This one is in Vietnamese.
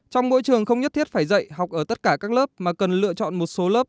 trong mỗi trường không nhất thiết phải dạy học ở tất cả các lớp mà cần lựa chọn một số lớp